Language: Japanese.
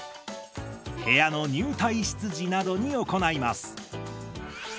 部屋の入退室時などに行います。